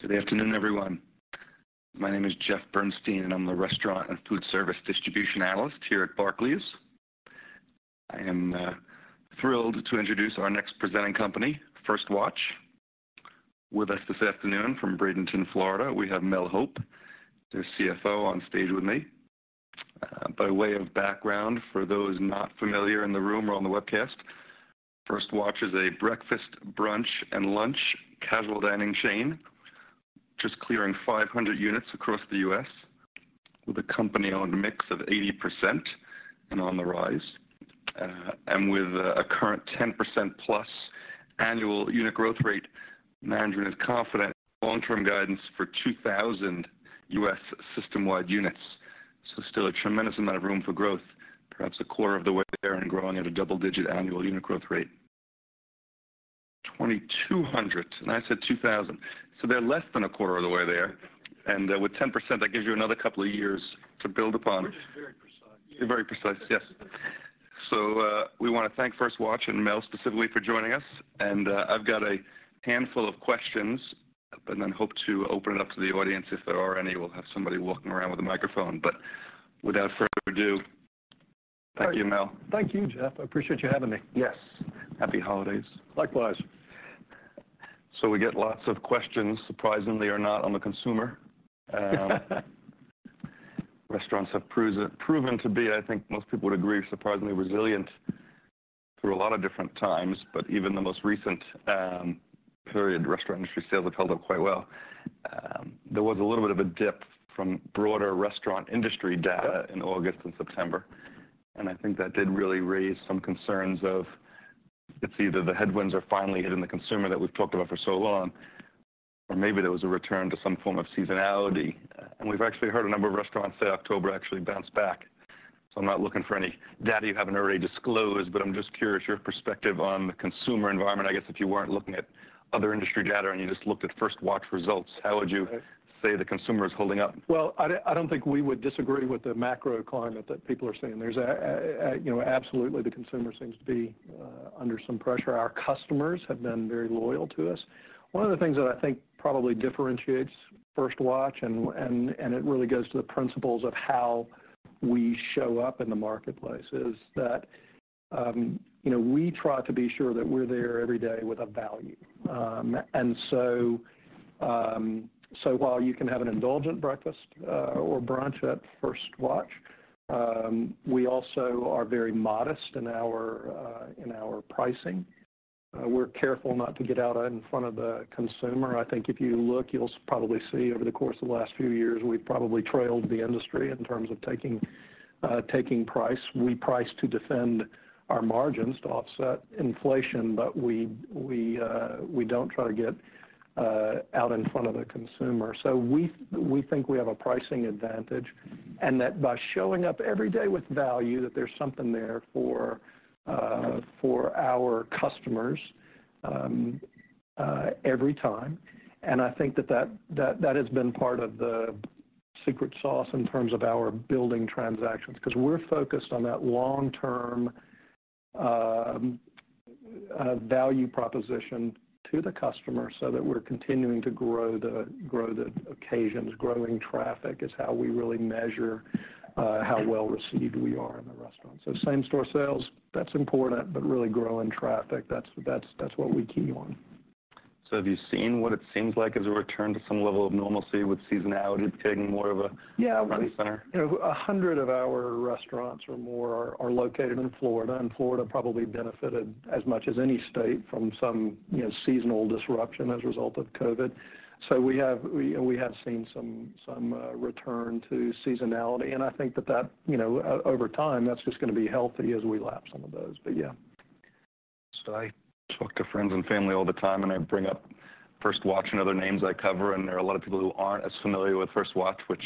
Good afternoon, everyone. My name is Jeff Bernstein, and I'm the restaurant and foodservice distribution analyst here at Barclays. I am thrilled to introduce our next presenting company, First Watch. With us this afternoon from Bradenton, Florida, we have Mel Hope, their CFO, on stage with me. By way of background, for those not familiar in the room or on the webcast, First Watch is a breakfast, brunch, and lunch casual dining chain, just clearing 500 units across the U.S., with a company-owned mix of 80% and on the rise. And with a current 10%+ annual unit growth rate, management is confident long-term guidance for 2,000 U.S. system-wide units. So still a tremendous amount of room for growth, perhaps a quarter of the way there and growing at a double-digit annual unit growth rate. 2,200, and I said 2,000, so they're less than a quarter of the way there. And, with 10%, that gives you another couple of years to build upon. We're just very precise. Very precise, yes. So, we wanna thank First Watch and Mel specifically for joining us, and, I've got a handful of questions, but then hope to open it up to the audience if there are any. We'll have somebody walking around with a microphone. Without further ado, thank you, Mel. Thank you, Jeff. I appreciate you having me. Yes. Happy holidays. Likewise. So we get lots of questions, surprisingly or not, on the consumer. Restaurants have proven to be, I think most people would agree, surprisingly resilient through a lot of different times, but even the most recent period, restaurant industry sales have held up quite well. There was a little bit of a dip from broader restaurant industry data in August and September, and I think that did really raise some concerns of, it's either the headwinds are finally hitting the consumer that we've talked about for so long, or maybe there was a return to some form of seasonality. We've actually heard a number of restaurants say October actually bounced back. So I'm not looking for any data you haven't already disclosed, but I'm just curious, your perspective on the consumer environment? I guess if you weren't looking at other industry data and you just looked at First Watch results, how would you say the consumer is holding up? Well, I don't think we would disagree with the macro climate that people are seeing. There's you know, absolutely, the consumer seems to be under some pressure. Our customers have been very loyal to us. One of the things that I think probably differentiates First Watch, and it really goes to the principles of how we show up in the marketplace, is that, you know, we try to be sure that we're there every day with a value. And so while you can have an indulgent breakfast, or brunch at First Watch, we also are very modest in our pricing. We're careful not to get out in front of the consumer. I think if you look, you'll probably see over the course of the last few years, we've probably trailed the industry in terms of taking price. We price to defend our margins to offset inflation, but we don't try to get out in front of the consumer. So we think we have a pricing advantage, and that by showing up every day with value, that there's something there for our customers every time. And I think that has been part of the secret sauce in terms of our building transactions, 'cause we're focused on that long-term value proposition to the customer so that we're continuing to grow the occasions. Growing traffic is how we really measure how well received we are in the restaurant. Same-store sales, that's important, but really growing traffic, that's what we key on. Have you seen what it seems like as a return to some level of normalcy with seasonality taking more of a- Yeah. -center? You know, 100 of our restaurants or more are located in Florida, and Florida probably benefited as much as any state from some, you know, seasonal disruption as a result of COVID. So we have seen some return to seasonality, and I think that, you know, over time, that's just gonna be healthy as we lap some of those. But yeah. So I talk to friends and family all the time, and I bring up First Watch and other names I cover, and there are a lot of people who aren't as familiar with First Watch, which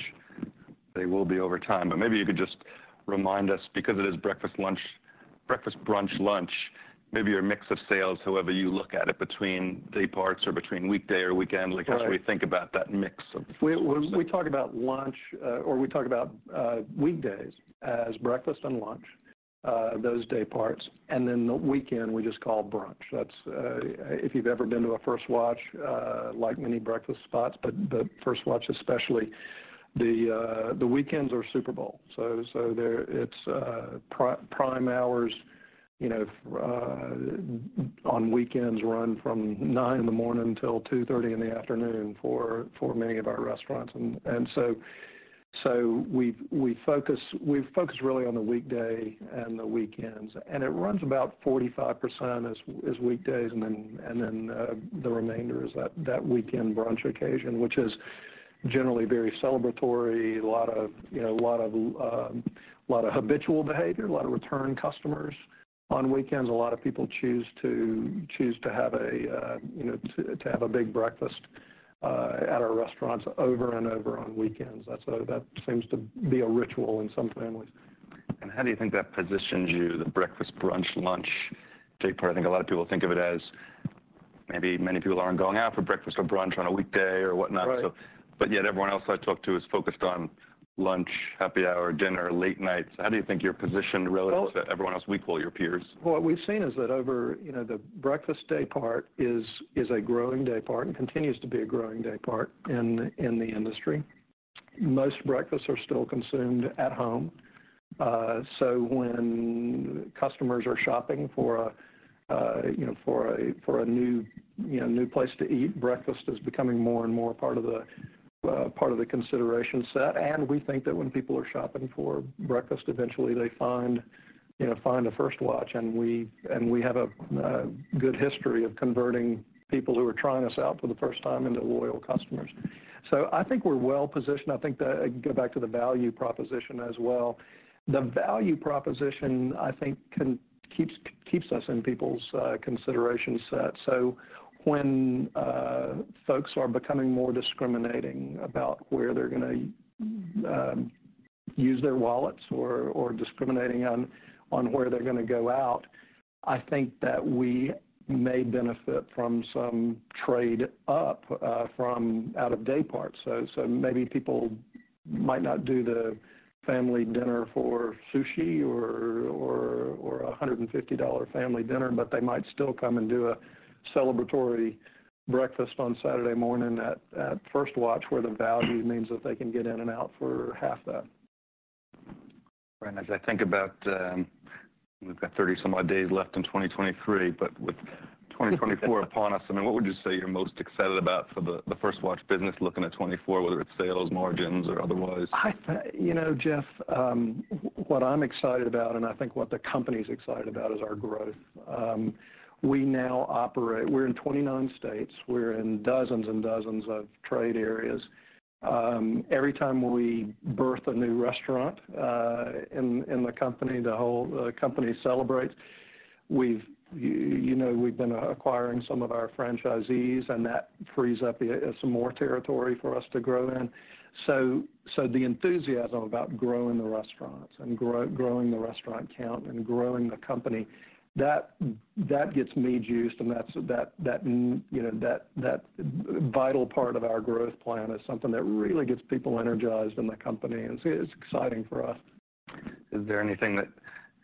they will be over time. But maybe you could just remind us, because it is breakfast, lunch... Breakfast, brunch, lunch, maybe your mix of sales, however you look at it, between dayparts or between weekday or weekend. Right. Like, how do we think about that mix of- We talk about lunch, or we talk about weekdays as breakfast and lunch, those dayparts, and then the weekend, we just call brunch. That's if you've ever been to a First Watch, like many breakfast spots, but First Watch especially, the weekends are Super Bowl. So there, it's prime hours, you know, on weekends run from 9:00 A.M. till 2:30 P.M. for many of our restaurants. And so we focus really on the weekday and the weekends, and it runs about 45% as weekdays, and then the remainder is that weekend brunch occasion, which is generally very celebratory. A lot of, you know, a lot of, lot of habitual behavior, a lot of return customers. On weekends, a lot of people choose to have a, you know, to have a big breakfast at our restaurants over and over on weekends. That seems to be a ritual in some families. How do you think that positions you, the breakfast, brunch, lunch day part? I think a lot of people think of it as maybe many people aren't going out for breakfast or brunch on a weekday or whatnot. Right. So, but yet everyone else I talk to is focused on lunch, happy hour, dinner, late nights. How do you think you're positioned relative- Well- to everyone else, we call your peers? What we've seen is that over, you know, the breakfast day part is a growing day part and continues to be a growing day part in the industry. Most breakfasts are still consumed at home. So when customers are shopping for, you know, for a new, you know, new place to eat, breakfast is becoming more and more a part of the part of the consideration set. And we think that when people are shopping for breakfast, eventually they find, you know, a First Watch, and we have a good history of converting people who are trying us out for the first time into loyal customers. So I think we're well positioned. I think the—I can go back to the value proposition as well. The value proposition, I think, can keep us in people's consideration set. So when folks are becoming more discriminating about where they're gonna use their wallets or discriminating on where they're gonna go out, I think that we may benefit from some trade up from out-of-dayparts. So maybe people might not do the family dinner for sushi or a $150 family dinner, but they might still come and do a celebratory breakfast on Saturday morning at First Watch, where the value means that they can get in and out for half that. Right. As I think about, we've got 30-some-odd days left in 2023, but with 2024 upon us, I mean, what would you say you're most excited about for the First Watch business looking at 2024, whether it's sales, margins, or otherwise? I think, you know, Jeff, what I'm excited about, and I think what the company's excited about, is our growth. We now operate. We're in 29 states. We're in dozens and dozens of trade areas. Every time we birth a new restaurant, in the company, the whole company celebrates. You know, we've been acquiring some of our franchisees, and that frees up some more territory for us to grow in. So the enthusiasm about growing the restaurants and growing the restaurant count and growing the company, that gets me juiced, and that's, you know, that vital part of our growth plan is something that really gets people energized in the company, and it's exciting for us. Is there anything that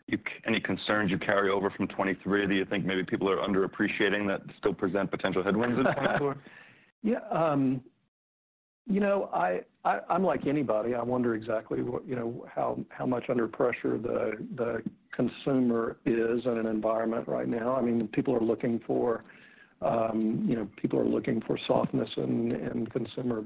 you any concerns you carry over from 2023 that you think maybe people are underappreciating that still present potential headwinds in 2024? Yeah, you know, I'm like anybody, I wonder exactly what, you know, how much under pressure the consumer is in an environment right now. I mean, people are looking for, you know, people are looking for softness in consumer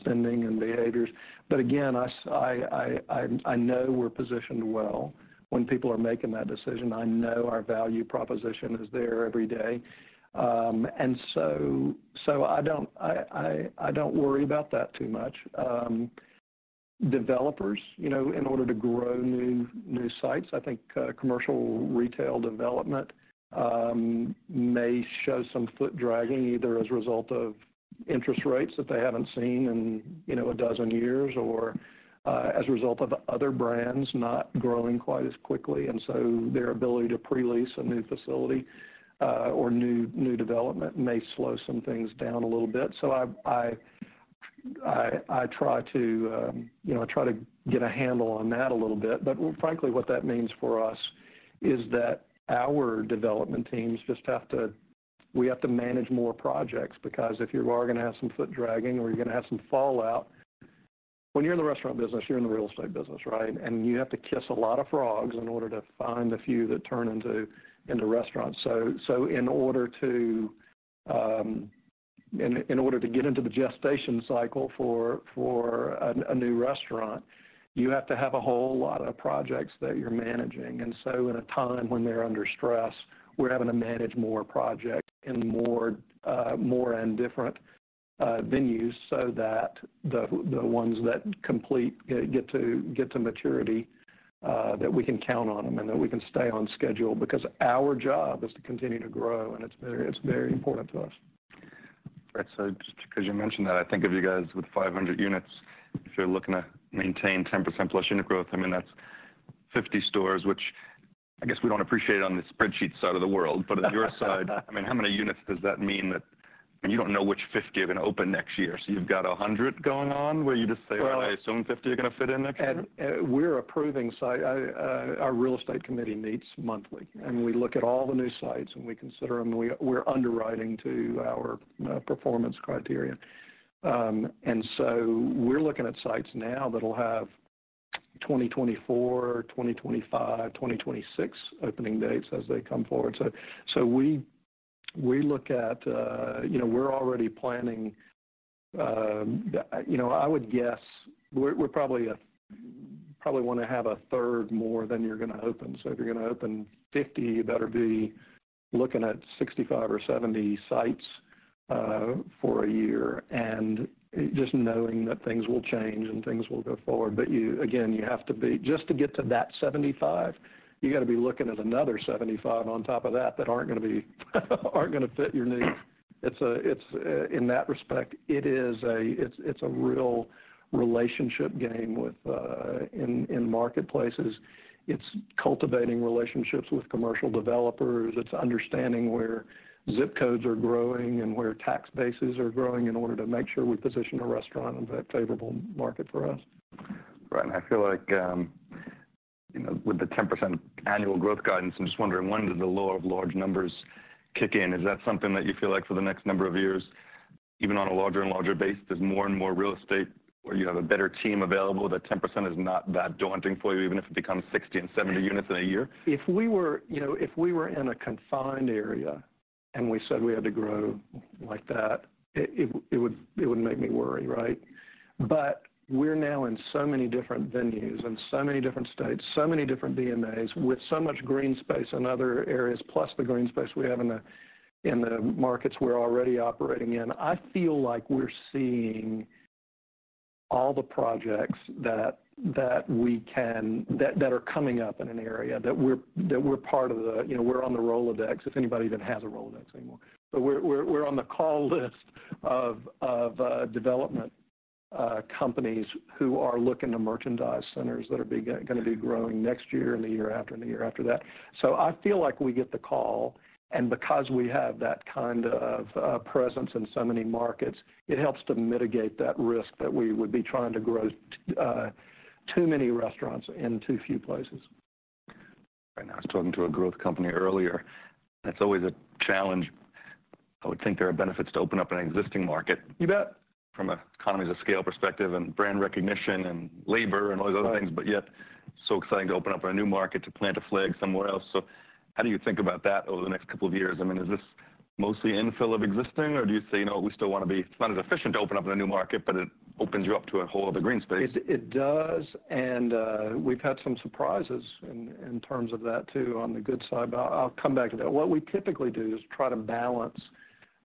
spending and behaviors. But again, I know we're positioned well when people are making that decision. I know our value proposition is there every day. And so I don't worry about that too much. Developers, you know, in order to grow new sites, I think commercial retail development may show some foot dragging, either as a result of interest rates that they haven't seen in, you know, a dozen years, or as a result of other brands not growing quite as quickly. Their ability to pre-lease a new facility or new development may slow some things down a little bit. So I try to, you know, get a handle on that a little bit. But frankly, what that means for us is that our development teams just have to manage more projects, because if you are gonna have some foot dragging or you're gonna have some fallout, when you're in the restaurant business, you're in the real estate business, right? And you have to kiss a lot of frogs in order to find a few that turn into restaurants. So in order to get into the gestation cycle for a new restaurant, you have to have a whole lot of projects that you're managing. And so in a time when they're under stress, we're having to manage more projects and more and different venues, so that the ones that complete get to maturity, that we can count on them and that we can stay on schedule. Because our job is to continue to grow, and it's very important to us. Right. So just because you mentioned that, I think of you guys with 500 units, if you're looking to maintain 10%+ unit growth, I mean, that's 50 stores, which I guess we don't appreciate on the spreadsheet side of the world. But on your side, I mean, how many units does that mean that... And you don't know which 50 are going to open next year, so you've got 100 going on, where you just say- Well- -I assume 50 are going to fit in next year? We're approving sites. Our real estate committee meets monthly, and we look at all the new sites, and we consider them, and we're underwriting to our performance criteria. So we're looking at sites now that'll have 2024, 2025, 2026 opening dates as they come forward. So we look at, you know, we're already planning, you know, I would guess we're probably want to have a third more than you're gonna open. So if you're gonna open 50, you better be looking at 65 or 70 sites for a year, and just knowing that things will change and things will go forward. But you, again, you have to be. Just to get to that 75, you gotta be looking at another 75 on top of that, that aren't gonna be, aren't gonna fit your needs. It's, in that respect, it is a, it's a real relationship game with, in, in marketplaces. It's cultivating relationships with commercial developers. It's understanding where zip codes are growing and where tax bases are growing in order to make sure we position a restaurant in that favorable market for us.... and I feel like, you know, with the 10% annual growth guidance, I'm just wondering, when does the law of large numbers kick in? Is that something that you feel like for the next number of years, even on a larger and larger base, there's more and more real estate where you have a better team available, that 10% is not that daunting for you, even if it becomes 60 and 70 units in a year? If we were, you know, if we were in a confined area, and we said we had to grow like that, it would make me worry, right? But we're now in so many different venues, in so many different states, so many different DMAs, with so much green space in other areas, plus the green space we have in the markets we're already operating in. I feel like we're seeing all the projects that we can that are coming up in an area, that we're part of the. You know, we're on the Rolodex, if anybody even has a Rolodex anymore. But we're on the call list of development companies who are looking to merchandise centers that are gonna be growing next year and the year after, and the year after that. So I feel like we get the call, and because we have that kind of presence in so many markets, it helps to mitigate that risk that we would be trying to grow too many restaurants in too few places. Right. I was talking to a growth company earlier, that's always a challenge. I would think there are benefits to open up an existing market- You bet. from an economies of scale perspective and brand recognition, and labor, and all these other things Right. But yet, so exciting to open up a new market, to plant a flag somewhere else. So how do you think about that over the next couple of years? I mean, is this mostly infill of existing, or do you say, "No, we still want to be..." It's not as efficient to open up in a new market, but it opens you up to a whole other green space. It does, and we've had some surprises in terms of that, too, on the good side, but I'll come back to that. What we typically do is try to balance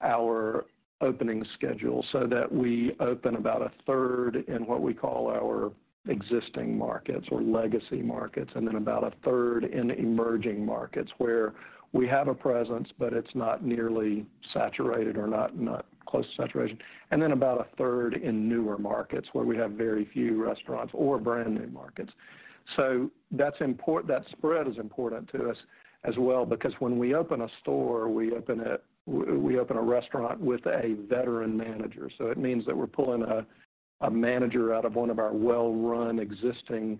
our opening schedule so that we open about a third in what we call our existing markets or legacy markets, and then about a third in emerging markets, where we have a presence, but it's not nearly saturated or not close to saturation. And then about a third in newer markets, where we have very few restaurants or brand-new markets. So that's important – that spread is important to us as well, because when we open a store, we open a restaurant with a veteran manager. So it means that we're pulling a manager out of one of our well-run existing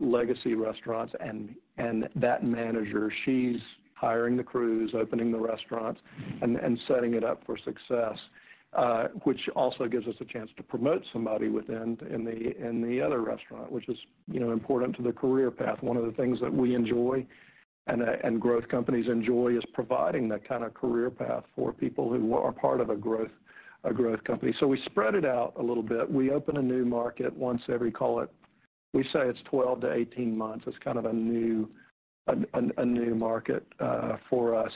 legacy restaurants, and that manager, she's hiring the crews, opening the restaurants, and setting it up for success. Which also gives us a chance to promote somebody within the other restaurant, which is, you know, important to the career path. One of the things that we enjoy and growth companies enjoy is providing that kind of career path for people who are part of a growth company. So we spread it out a little bit. We open a new market once every, call it. We say it's 12-18 months. It's kind of a new market for us.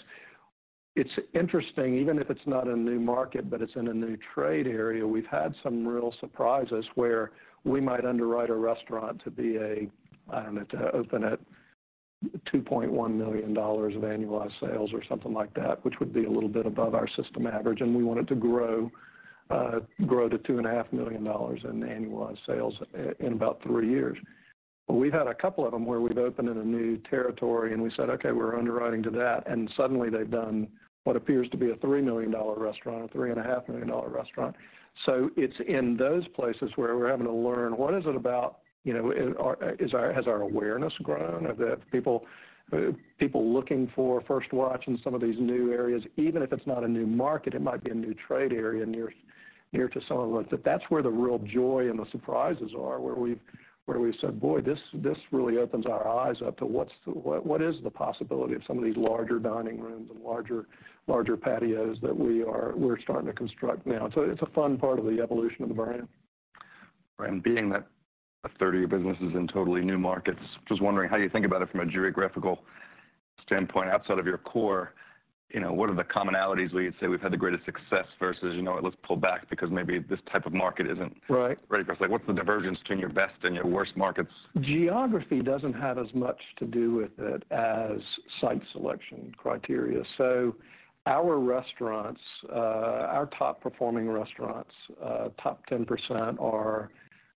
It's interesting, even if it's not a new market, but it's in a new trade area, we've had some real surprises where we might underwrite a restaurant to be a, I don't know, to open at $2.1 million of annualized sales or something like that, which would be a little bit above our system average, and we want it to grow, grow to $2.5 million in annualized sales in about three years. But we've had a couple of them where we've opened in a new territory, and we said: Okay, we're underwriting to that, and suddenly they've done what appears to be a $3 million restaurant or $3.5 million restaurant. So it's in those places where we're having to learn what is it about, you know, in our -- has our awareness grown? Are there people looking for First Watch in some of these new areas? Even if it's not a new market, it might be a new Trade Area near to some of those. But that's where the real joy and the surprises are, where we've said, "Boy, this really opens our eyes up to what's the... What is the possibility of some of these larger dining rooms and larger patios that we're starting to construct now?" So it's a fun part of the evolution of the brand. And being that a third of your business is in totally new markets, just wondering, how do you think about it from a geographical standpoint outside of your core? You know, what are the commonalities where you'd say we've had the greatest success versus, you know what? Let's pull back because maybe this type of market isn't- Right. ready for us. Like, what's the divergence between your best and your worst markets? Geography doesn't have as much to do with it as site selection criteria. So our restaurants, our top performing restaurants, top 10% are,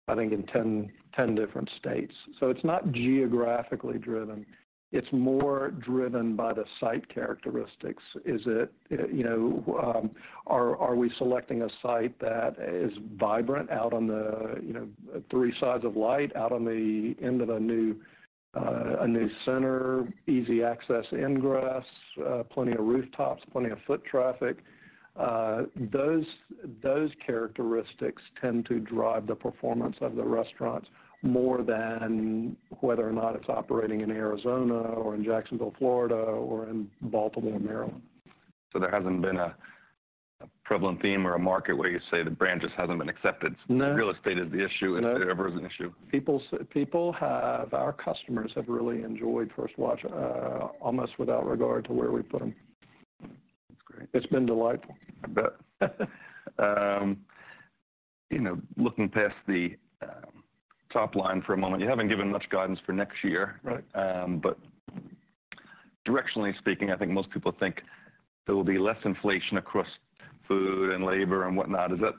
I think, in 10 different states. So it's not geographically driven. It's more driven by the site characteristics. Is it, you know, are we selecting a site that is vibrant out on the, you know, three sides of light, out on the end of a new, a new center, easy access ingress, plenty of rooftops, plenty of foot traffic? Those characteristics tend to drive the performance of the restaurants more than whether or not it's operating in Arizona or in Jacksonville, Florida, or in Baltimore, Maryland. There hasn't been a prevalent theme or a market where you say the brand just hasn't been accepted? No. The real estate is the issue- No. If there ever is an issue. People, our customers, have really enjoyed First Watch, almost without regard to where we put them. That's great. It's been delightful. I bet. You know, looking past the top line for a moment, you haven't given much guidance for next year. Right. But directionally speaking, I think most people think there will be less inflation across food and labor and whatnot. Is that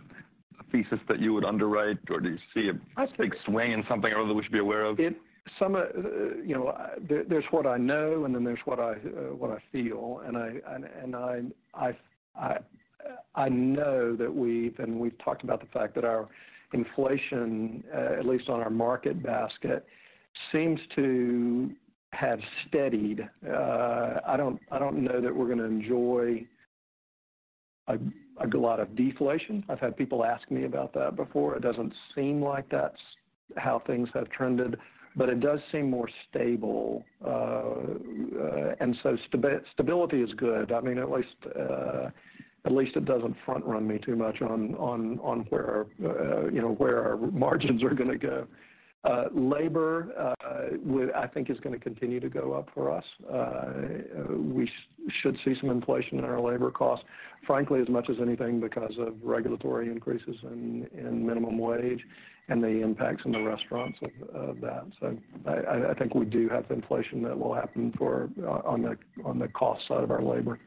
a thesis that you would underwrite, or do you see a- I think- Big swing in something or that we should be aware of? You know, there's what I know, and then there's what I feel, and I know that we've, and we've talked about the fact that our inflation, at least on our market basket, seems to have steadied. I don't know that we're gonna enjoy a lot of deflation. I've had people ask me about that before. It doesn't seem like that's how things have trended, but it does seem more stable. And so stability is good. I mean, at least it doesn't front run me too much on where, you know, where our margins are gonna go. Labor, well, I think is gonna continue to go up for us. We should see some inflation in our labor costs, frankly, as much as anything because of regulatory increases in minimum wage and the impacts in the restaurants of that. So I think we do have inflation that will happen on the cost side of our labor.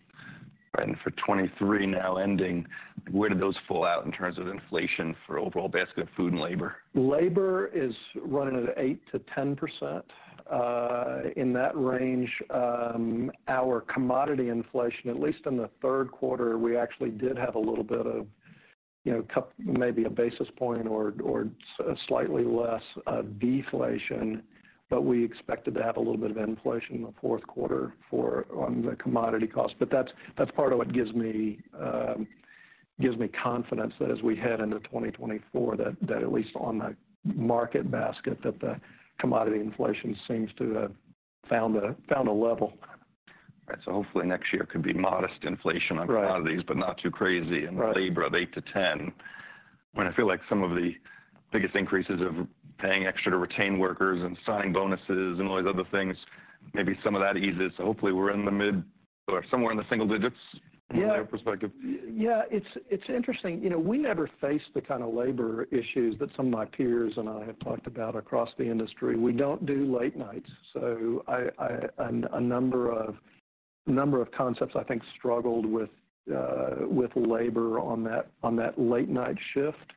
Right, and for 2023 now ending, where do those fall out in terms of inflation for overall basket of food and labor? Labor is running at 8%-10%. In that range, our commodity inflation, at least in the third quarter, we actually did have a little bit of, you know, maybe a basis point or slightly less deflation, but we expected to have a little bit of inflation in the fourth quarter for on the commodity cost. But that's part of what gives me confidence that as we head into 2024, that at least on the market basket, that the commodity inflation seems to have found a level. Right. So hopefully next year could be modest inflation- Right on commodities, but not too crazy. Right -in labor of 8-10. When I feel like some of the biggest increases of paying extra to retain workers and signing bonuses and all these other things, maybe some of that eases. So hopefully we're in the mid or somewhere in the single digits- Yeah from your perspective. Yeah, it's interesting. You know, we never faced the kind of labor issues that some of my peers and I have talked about across the industry. We don't do late nights, so I... A number of concepts, I think, struggled with labor on that late-night shift.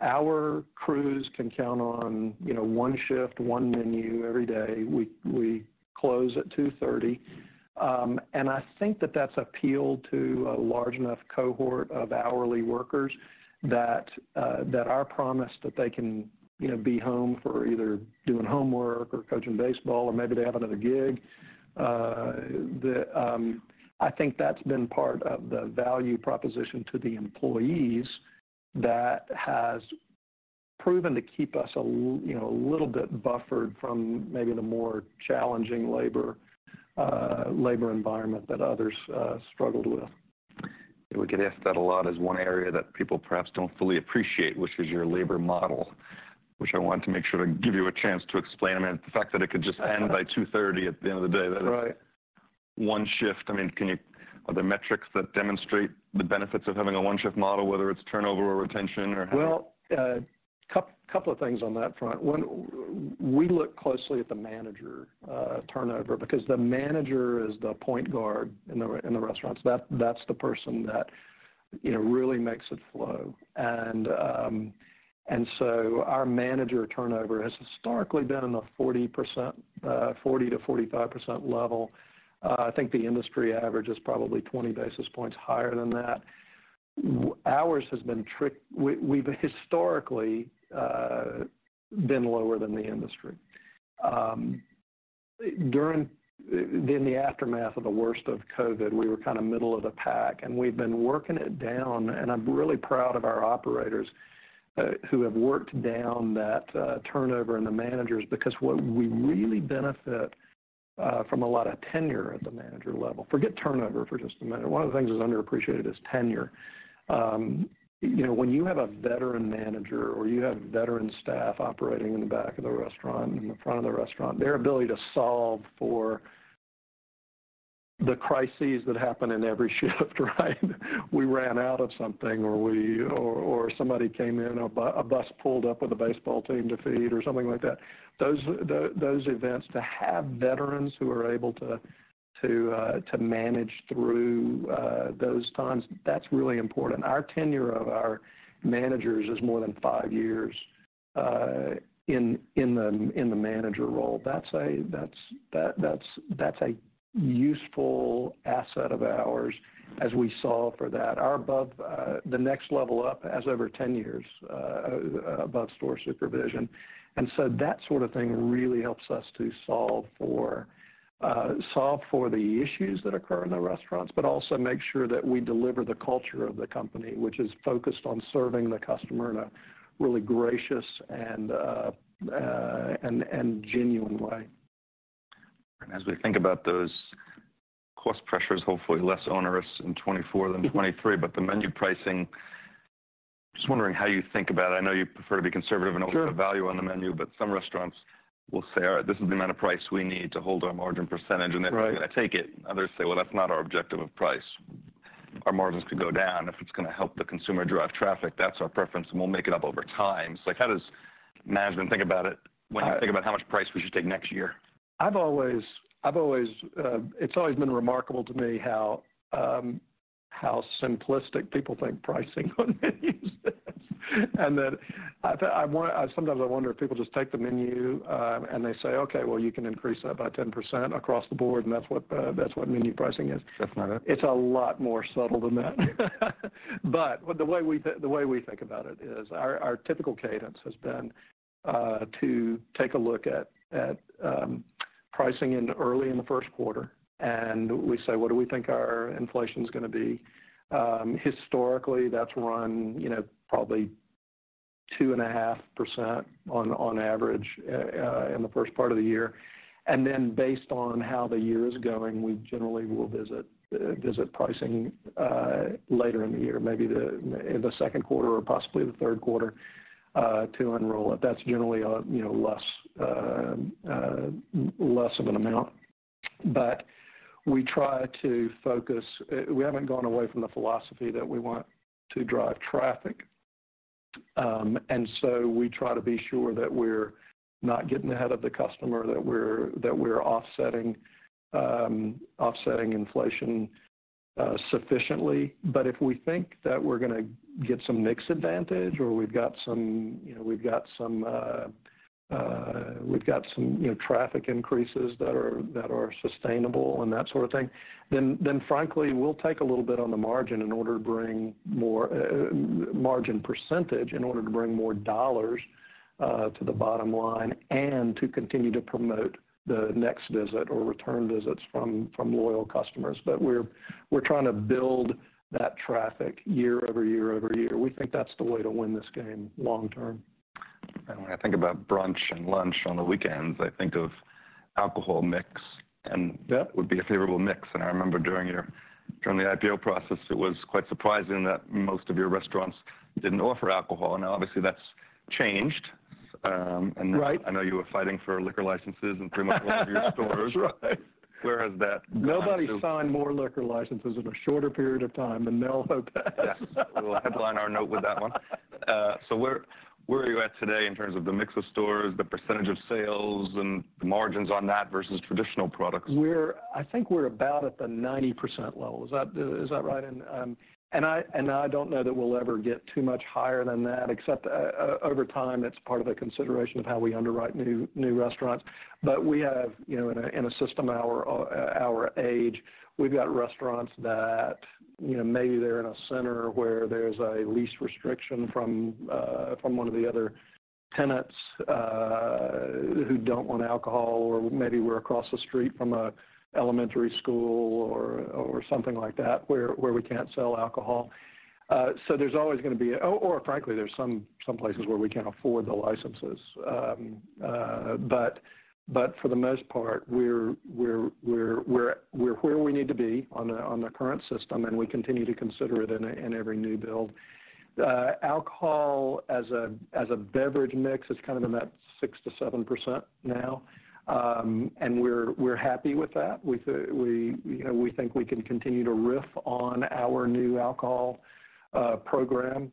Our crews can count on, you know, one shift, one menu every day. We close at 2:30 P.M. And I think that that's appealed to a large enough cohort of hourly workers that our promise that they can, you know, be home for either doing homework or coaching baseball or maybe they have another gig. I think that's been part of the value proposition to the employees that has proven to keep us, you know, a little bit buffered from maybe the more challenging labor environment that others struggled with. We get asked that a lot, is one area that people perhaps don't fully appreciate, which is your labor model, which I want to make sure to give you a chance to explain. I mean, the fact that it could just end by 2:30 P.M. at the end of the day, that- Right... one shift, I mean, can you? Are there metrics that demonstrate the benefits of having a one-shift model, whether it's turnover or retention, or how? Well, couple of things on that front. One, we look closely at the manager turnover, because the manager is the point guard in the restaurants. That's the person that, you know, really makes it flow. And so our manager turnover has historically been in the 40%, 40%-45% level. I think the industry average is probably 20 basis points higher than that. Ours has been... We've historically been lower than the industry. During, in the aftermath of the worst of COVID, we were kind of middle of the pack, and we've been working it down, and I'm really proud of our operators who have worked down that turnover in the managers, because what we really benefit from a lot of tenure at the manager level. Forget turnover for just a minute. One of the things that's underappreciated is tenure. You know, when you have a veteran manager or you have veteran staff operating in the back of the restaurant, in the front of the restaurant, their ability to solve for the crises that happen in every shift, right? We ran out of something, or somebody came in, a bus pulled up with a baseball team to feed or something like that. Those events, to have veterans who are able to manage through those times, that's really important. Our tenure of our managers is more than five years in the manager role. That's a useful asset of ours as we solve for that. Our above... The next level up has over 10 years above store supervision. And so that sort of thing really helps us to solve for the issues that occur in the restaurants, but also make sure that we deliver the culture of the company, which is focused on serving the customer in a really gracious and genuine way. As we think about those cost pressures, hopefully less onerous in 2024 than 2023, but the menu pricing, just wondering how you think about it. I know you prefer to be conservative- Sure and offer the value on the menu, but some restaurants will say, "All right, this is the amount of price we need to hold our margin percentage," and Right They're going to take it. Others say, "Well, that's not our objective of price. Our margins could go down if it's gonna help the consumer drive traffic. That's our preference, and we'll make it up over time." So, like, how does management think about it, when you think about how much price we should take next year? I've always been remarkable to me how simplistic people think pricing on menus is. And that I sometimes wonder if people just take the menu, and they say, "Okay, well, you can increase that by 10% across the board," and that's what menu pricing is. That's not it? It's a lot more subtle than that. But the way we think about it is our typical cadence has been to take a look at pricing early in the first quarter, and we say, what do we think our inflation's gonna be? Historically, that's run, you know, probably 2.5% on average in the first part of the year. And then based on how the year is going, we generally will visit pricing later in the year, maybe in the second quarter or possibly the third quarter to unroll it. That's generally a, you know, less of an amount. But we try to focus. We haven't gone away from the philosophy that we want to drive traffic. And so we try to be sure that we're not getting ahead of the customer, that we're offsetting inflation sufficiently. But if we think that we're gonna get some mix advantage or we've got some, you know, traffic increases that are sustainable and that sort of thing, then frankly, we'll take a little bit on the margin in order to bring more margin percentage, in order to bring more dollars to the bottom line and to continue to promote the next visit or return visits from loyal customers. But we're trying to build that traffic year over year over year. We think that's the way to win this game long term. When I think about brunch and lunch on the weekends, I think of alcohol mix, and- Yeah - would be a favorable mix. And I remember during your, during the IPO process, it was quite surprising that most of your restaurants didn't offer alcohol, and obviously, that's changed, and- Right... I know you were fighting for liquor licenses in pretty much all of your stores. Right. Where is that gone to? Nobody signed more liquor licenses in a shorter period of time than Mel Hope. Yes. We'll headline our note with that one. So where, where are you at today in terms of the mix of stores, the percentage of sales, and the margins on that versus traditional products? I think we're about at the 90% level. Is that right? And I don't know that we'll ever get too much higher than that, except over time, it's part of the consideration of how we underwrite new restaurants. But we have, you know, in a system our age, we've got restaurants that, you know, maybe they're in a center where there's a lease restriction from one of the other tenants who don't want alcohol or maybe we're across the street from an elementary school or something like that, where we can't sell alcohol. So there's always gonna be... Or frankly, there's some places where we can't afford the licenses. But for the most part, we're where we need to be on the current system, and we continue to consider it in every new build. Alcohol as a beverage mix is kind of in that 6%-7% now. And we're happy with that. We, you know, we think we can continue to riff on our new alcohol program.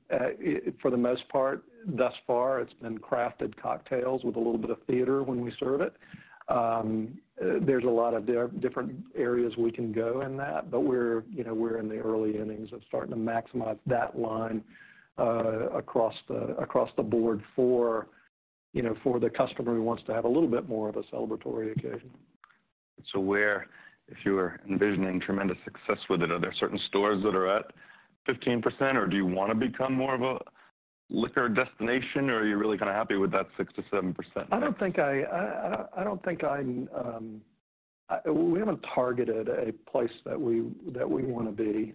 For the most part, thus far, it's been crafted cocktails with a little bit of theater when we serve it. There's a lot of different areas we can go in that, but we're, you know, we're in the early innings of starting to maximize that line, across the, across the board for, you know, for the customer who wants to have a little bit more of a celebratory occasion. Where if you were envisioning tremendous success with it, are there certain stores that are at 15%, or do you want to become more of a liquor destination, or are you really kind of happy with that 6%-7%? I don't think we haven't targeted a place that we want to be.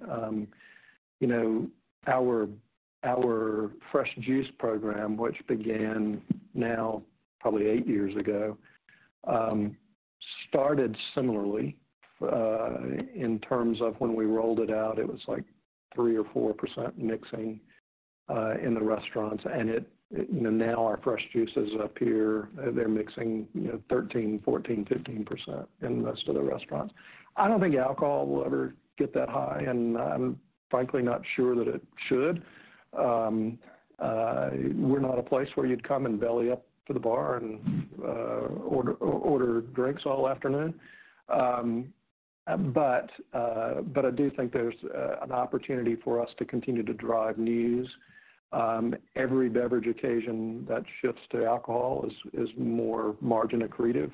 You know, our fresh juice program, which began now probably eight years ago, started similarly in terms of when we rolled it out. It was like 3%-4% mixing in the restaurants, and you know, now our fresh juices appear, they're mixing, you know, 13%-15% in most of the restaurants. I don't think alcohol will ever get that high, and I'm frankly not sure that it should. We're not a place where you'd come and belly up to the bar and order drinks all afternoon. But I do think there's an opportunity for us to continue to drive news. Every beverage occasion that shifts to alcohol is more margin accretive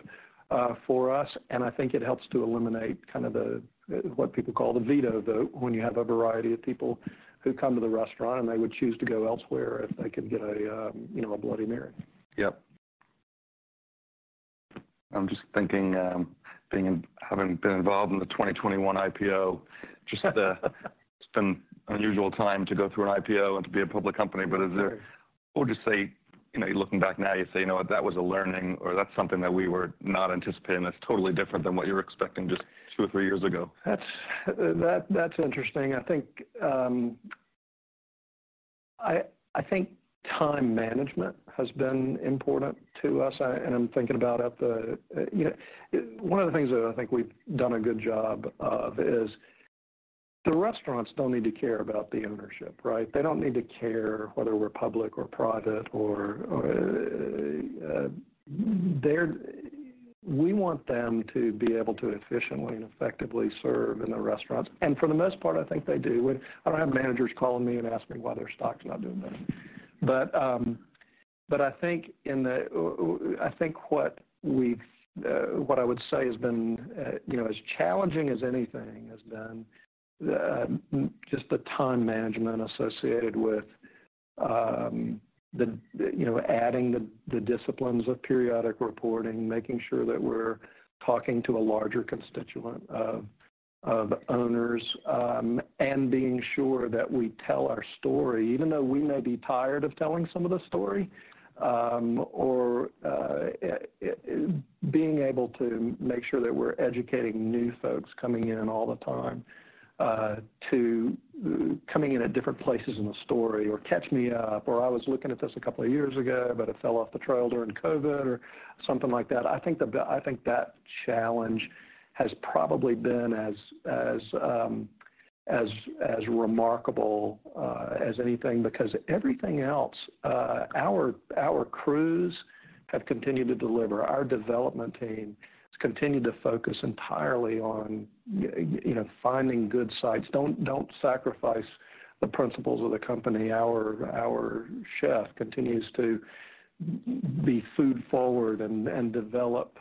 for us, and I think it helps to eliminate kind of the, what people call the veto, though, when you have a variety of people who come to the restaurant, and they would choose to go elsewhere if they could get a, you know, a Bloody Mary. Yep. I'm just thinking, having been involved in the 2021 IPO, it's been an unusual time to go through an IPO and to be a public company. Right. But is there... Or just say, you know, looking back now, you say, you know what, that was a learning, or that's something that we were not anticipating that's totally different than what you were expecting just two or three years ago? That's interesting. I think time management has been important to us. I'm thinking about at the, you know... One of the things that I think we've done a good job of is the restaurants don't need to care about the ownership, right? They don't need to care whether we're public or private. We want them to be able to efficiently and effectively serve in the restaurants. And for the most part, I think they do. I don't have managers calling me and asking me why their stock's not doing better. But I think what I would say has been, you know, as challenging as anything has been, just the time management associated with, you know, adding the disciplines of periodic reporting, making sure that we're talking to a larger constituent of owners, and being sure that we tell our story, even though we may be tired of telling some of the story. Or, being able to make sure that we're educating new folks coming in all the time, to coming in at different places in the story, or catch me up, or I was looking at this a couple of years ago, but it fell off the trail during COVID or something like that. I think that challenge has probably been as remarkable as anything, because everything else, our crews have continued to deliver. Our development team has continued to focus entirely on you know, finding good sites. Don't sacrifice the principles of the company. Our chef continues to be food forward and develop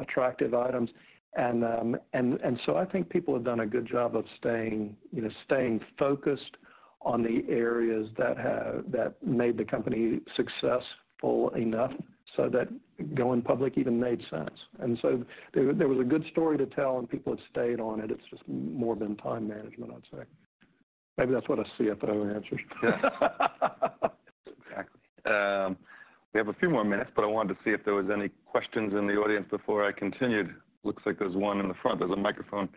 attractive items. And so I think people have done a good job of staying, you know, staying focused on the areas that made the company successful enough so that going public even made sense. And so there was a good story to tell, and people have stayed on it. It's just more been time management, I'd say. Maybe that's what a CFO answers. Exactly. We have a few more minutes, but I wanted to see if there was any questions in the audience before I continued. Looks like there's one in the front. There's a microphone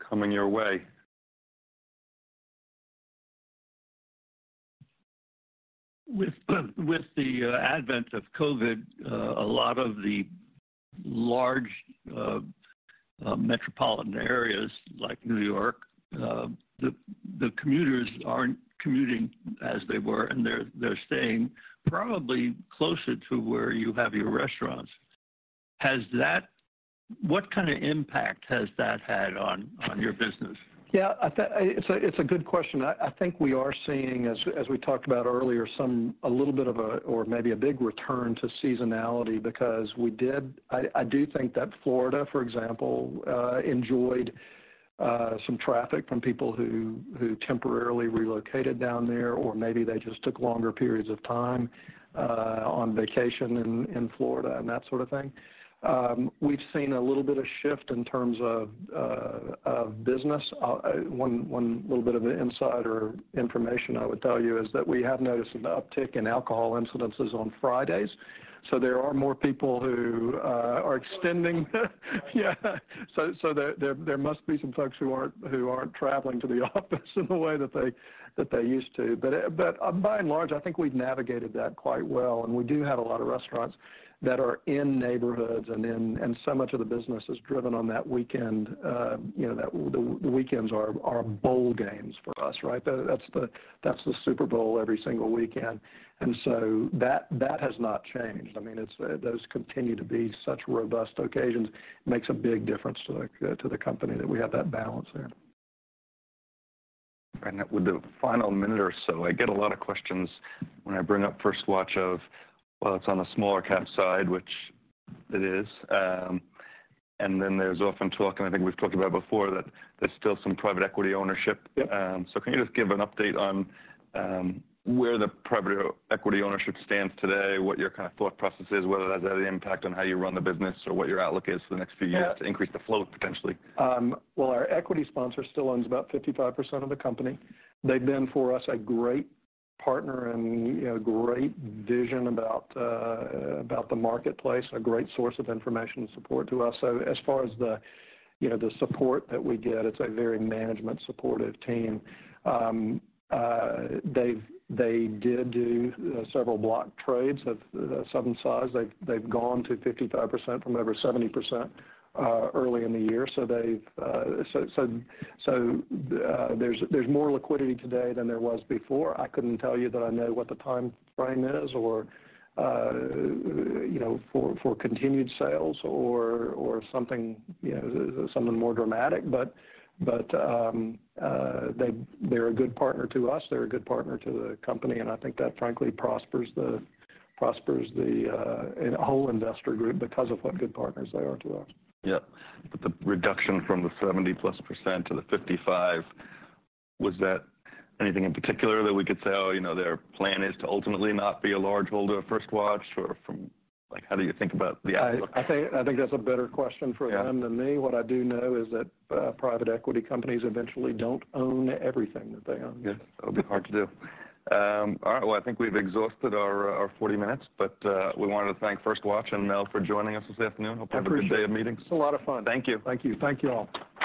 coming your way. With the advent of COVID, a lot of the large metropolitan areas like New York, the commuters aren't commuting as they were, and they're staying probably closer to where you have your restaurants. Has that - What kind of impact has that had on your business? Yeah, it's a good question. I think we are seeing, as we talked about earlier, some a little bit of a, or maybe a big return to seasonality because I do think that Florida, for example, enjoyed some traffic from people who temporarily relocated down there, or maybe they just took longer periods of time on vacation in Florida and that sort of thing. We've seen a little bit of shift in terms of of business. One little bit of insider information I would tell you is that we have noticed an uptick in alcohol incidence on Fridays, so there are more people who are extending. Yeah. So, there must be some folks who aren't traveling to the office in the way that they used to. But by and large, I think we've navigated that quite well, and we do have a lot of restaurants that are in neighborhoods. And so much of the business is driven on that weekend. You know, the weekends are bowl games for us, right? That's the Super Bowl every single weekend, and so that has not changed. I mean, it's those continue to be such robust occasions. It makes a big difference to the company that we have that balance there. With the final minute or so, I get a lot of questions when I bring up First Watch of, well, it's on the smaller cap side, which it is. And then there's often talk, and I think we've talked about before, that there's still some private equity ownership. Yep. So, can you just give an update on where the private equity ownership stands today, what your kind of thought process is, whether that has had an impact on how you run the business, or what your outlook is for the next few years? Yeah... to increase the flow potentially? Well, our equity sponsor still owns about 55% of the company. They've been, for us, a great partner and, you know, great vision about about the marketplace, a great source of information and support to us. So as far as the, you know, the support that we get, it's a very management-supportive team. They've they did do several block trades of some size. They've, they've gone to 55% from over 70%, early in the year. So they've, so, so, so there's, there's more liquidity today than there was before. I couldn't tell you that I know what the timeframe is or, you know, for, for continued sales or, or something, you know, something more dramatic. But they're a good partner to us, they're a good partner to the company, and I think that frankly prospers the whole investor group because of what good partners they are to us. Yeah. But the reduction from the 70+% to the 55%, was that anything in particular that we could say, oh, you know, their plan is to ultimately not be a large holder of First Watch or from... Like, how do you think about the outlook? I think that's a better question for them than me. Yeah. What I do know is that, private equity companies eventually don't own everything that they own. Yes. That would be hard to do. All right. Well, I think we've exhausted our, our 40 minutes, but we wanted to thank First Watch and Mel for joining us this afternoon. I appreciate it. Hope you have a good day of meetings. It's a lot of fun. Thank you. Thank you. Thank you, all.